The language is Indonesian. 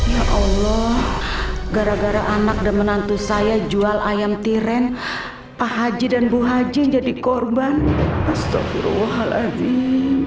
ya allah gara gara anak dan menantu saya jual ayam tiren pak haji dan bu haji yang jadi korban